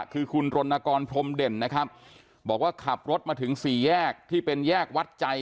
คือคุณรณกรพรมเด่นนะครับบอกว่าขับรถมาถึงสี่แยกที่เป็นแยกวัดใจ